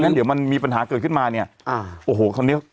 เดี๋ยวมันมีปัญหาเกิดขึ้นมาเนี่ย